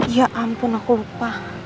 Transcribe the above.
ya ampun aku lupa